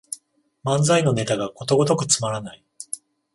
漫才のネタがことごとくつまらない